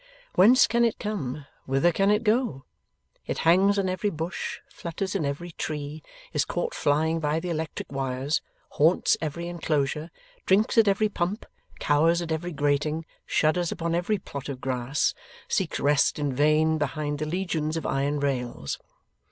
Whence can it come, whither can it go? It hangs on every bush, flutters in every tree, is caught flying by the electric wires, haunts every enclosure, drinks at every pump, cowers at every grating, shudders upon every plot of grass, seeks rest in vain behind the legions of iron rails.